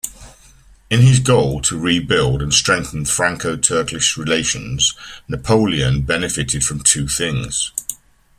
In his goal to rebuild and strengthen Franco-Turkish relations, Napoleon benefited from two things.